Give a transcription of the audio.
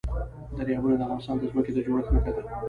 دریابونه د افغانستان د ځمکې د جوړښت نښه ده.